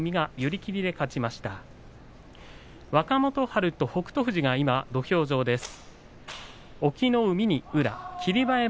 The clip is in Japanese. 若元春と北勝富士が土俵上です。